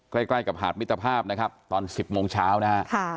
ใกล้กับหาดมิตรภาพนะครับตอน๑๐โมงเช้านะฮะ